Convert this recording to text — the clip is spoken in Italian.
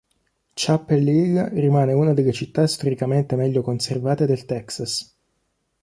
Chappell Hill rimane una delle città storicamente meglio conservate del Texas.